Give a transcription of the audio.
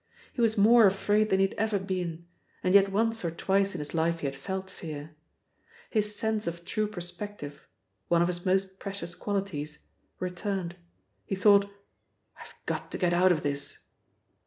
He was more afraid than he had ever been and yet once or twice in his life he had felt fear. His sense of true perspective one of his most precious qualities returned. He thought: "I've got to get out of this."